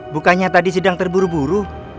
bukannya tadi sedang terburu buru